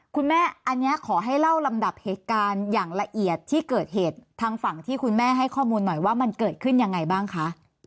คุณแม่อันนี้ขอให้เล่าลำดับเหตุการณ์อย่างละเอียดที่เกิดเหตุทางฝั่งที่คุณแม่ให้ข้อมูลหน่อยว่ามันเกิดขึ้นยังไงบ้างคะ